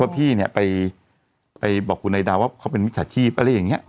เพราะพี่ไปบอกคุณไนดาวว่าเขาเป็นวิทยาชีพอะไรอย่างนี้